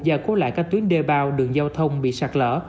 và cố lại các tuyến đề bào đường giao thông bị sạt lỡ